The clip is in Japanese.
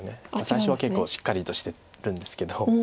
最初は結構しっかりとしてるんですけど。